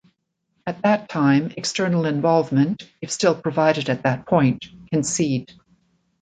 At that time, external involvement, if still provided at that point, can cede.